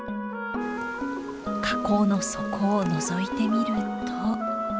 河口の底をのぞいてみると。